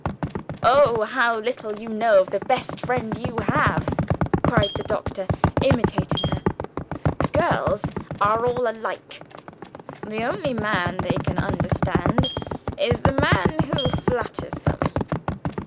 "Oh, how little you know of the best friend you have!" cried the doctor, imitating her. "Girls are all alike; the only man they can understand, is the man who flatters them.